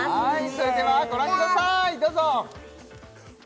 それではご覧くださいどうぞ！